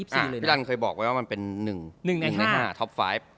พี่รันเคยบอกไว้ว่ามันเป็น๑ใน๕ท็อปไฟต์